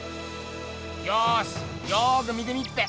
よしよく見てみっぺ！